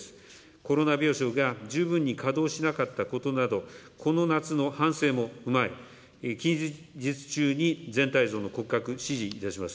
コロナ病床が十分に稼動しなかったことなど、この夏の反省も踏まえ、近日中に全体像の骨格、指示いたします。